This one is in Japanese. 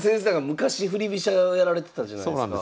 昔振り飛車をやられてたじゃないですか。